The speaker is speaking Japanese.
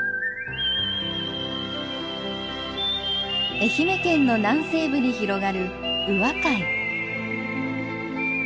愛媛県の南西部に広がる宇和海。